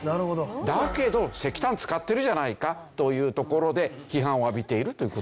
だけど石炭使ってるじゃないかというところで批判を浴びているという事。